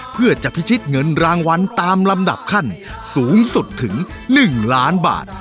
เพื่อจะพิชิตเงินรางวัลตามลำดับขั้นสูงสุดถึง๑ล้านบาท